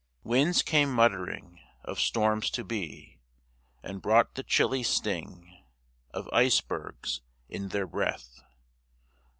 Winds came muttering Of storms to be, and brought the chilly sting Of icebergs in their breath.